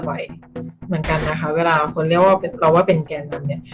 เหมือนกันนะคะเวลาคนเรียกว่าเราว่าเป็นแกนนำเนี่ย